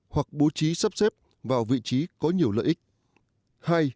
hoặc bố trí sắp xếp vào vị trí có nhiều lợi ích